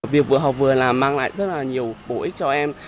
việc vừa học vừa là mang lại rất là nhiều bổ ích cho em